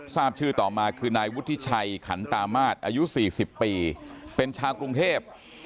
ทราบชื่อต่อมาคือนายวุฒิชัยขันตามาศอายุ๔๐ปีเป็นชาวกรุงเทพ